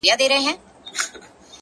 وي د غم اوږدې كوڅې په خامـوشۍ كي’